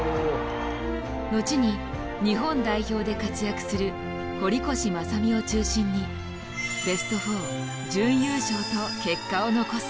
後に日本代表で活躍する堀越正己を中心にベスト４準優勝と結果を残す。